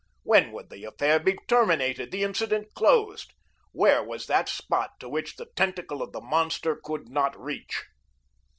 When would the affair be terminated, the incident closed? Where was that spot to which the tentacle of the monster could not reach?